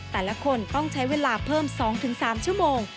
แต่ละคนต้องใช้เวลาเพิ่ม๒๓ชั่วโมง